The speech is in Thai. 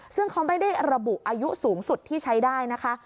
ซึ่งเขาไม่ได้ระบุอายุสูงสุดที่ใช้ได้นะคะ